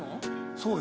そうよ。